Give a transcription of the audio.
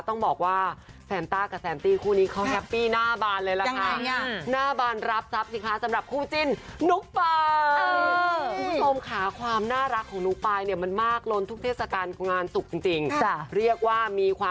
ต้องบอกว่าแซนต้ากับแซนตี้คู่นี้เขาแฮปปี้หน้าบานเลยล่ะค่ะ